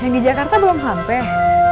yang di jakarta belum sampai